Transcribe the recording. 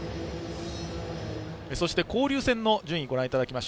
そして、交流戦の順位です。